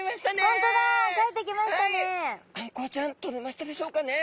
あんこうちゃんとれましたでしょうかね？